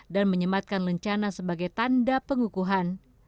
dan menyematkan lencana sebagai tanda pengukuhan